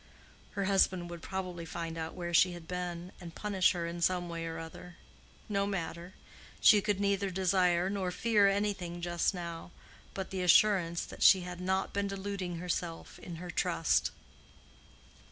Her husband would probably find out where she had been, and punish her in some way or other—no matter—she could neither desire nor fear anything just now but the assurance that she had not been deluding herself in her trust.